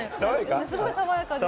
ものすごい爽やかです。